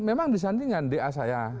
memang disandingkan da saya